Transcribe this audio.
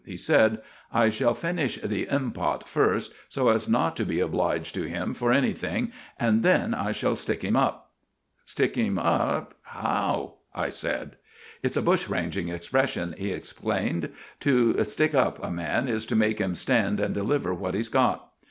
He said: "I shall finish the impot first, so as not to be obliged to him for anything, and then I shall stick him up." "Stick him up how?" I said. "It's a bushranging expression," he explained. "To 'stick up' a man is to make him stand and deliver what he's got.